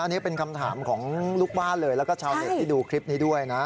อันนี้เป็นคำถามของลูกบ้านเลยแล้วก็ชาวเน็ตที่ดูคลิปนี้ด้วยนะ